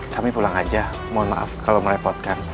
kami pulang aja mohon maaf kalau merepotkan